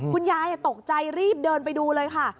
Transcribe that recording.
คุณยายตกใจรีบเดินไปดูเลยค่ะ